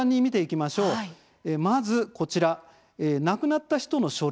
まず、こちらこの亡くなった人の書類。